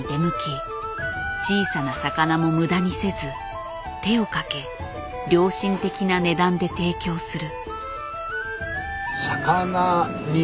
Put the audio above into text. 小さな魚も無駄にせず手をかけ良心的な値段で提供する。